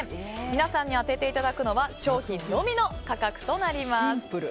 皆さんに当てていただくのは商品のみの価格となります。